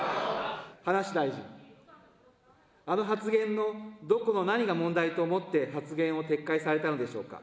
葉梨大臣、あの発言のどこの何が問題と思って、発言を撤回されたのでしょうか。